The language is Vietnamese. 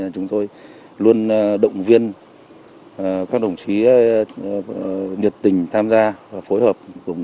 chúng tôi luôn động viên các đồng chí nhiệt tình tham gia và phối hợp